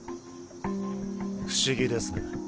不思議ですね。